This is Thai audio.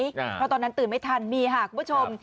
เพราะตอนนั้นตื่นไม่ทันมีค่ะคุณผู้ชม